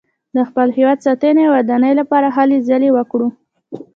د خپل هېواد ساتنې او ودانۍ لپاره هلې ځلې وکړو.